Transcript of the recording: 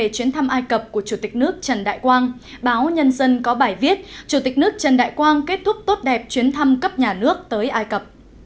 chủ tịch nước trần đại quang kết thúc tốt đẹp chuyến thăm cấp nhà nước tới ai cập